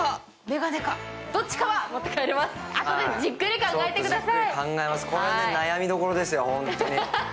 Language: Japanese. あとでじっくり考えてください。